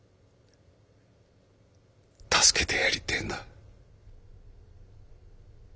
助けてやりてえんだ。